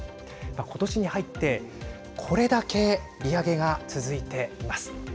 ことしに入ってこれだけ利上げが続いています。